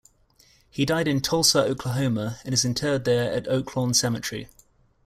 He died in Tulsa, Oklahoma, and is interred there at Oaklawn Cemetery.